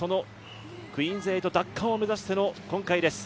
クイーンズ８奪還を目指しての今回です。